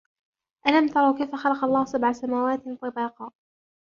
ألم تروا كيف خلق الله سبع سماوات طباقا